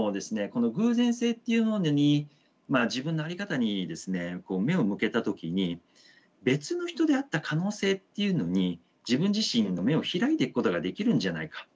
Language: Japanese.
この偶然性っていうものにまあ自分の在り方にですねこう目を向けた時に別の人であった可能性っていうのに自分自身の目を開いていくことができるんじゃないか。